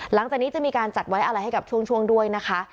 หลังจากนี้จะมีการจัดไว้อะไรให้กับช่วงด้วยนะคะ